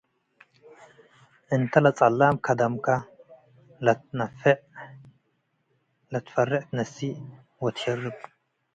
እንተ ለጸላም ከደምከ ለትፈርዕ ትነስእ ወትሸርብ